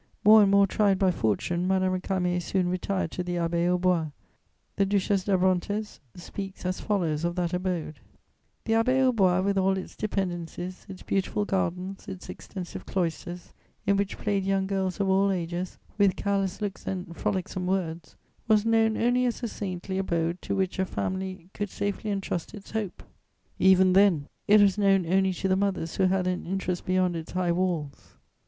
More and more tried by fortune, Madame Récamier soon retired to the Abbaye aux Bois. The Duchesse d'Abrantès speaks as follows of that abode: "The Abbaye aux Bois, with all its dependencies, its beautiful gardens, its extensive cloisters, in which played young girls of all ages, with careless looks and frolicsome words, was known only as a saintly abode to which a family could safely entrust its hope; even then, it was known only to the mothers who had an interest beyond its high walls.